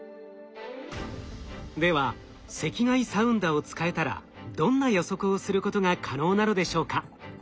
では赤外サウンダを使えたらどんな予測をすることが可能なのでしょうか？